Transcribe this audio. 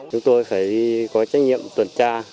chúng tôi phải có trách nhiệm tuần tra